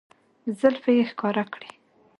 زلفې يې ښکاره کړې